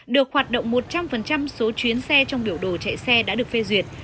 được hoạt động một trăm linh số chuyến xe trong biểu đồ chạy xe đã được phê duyệt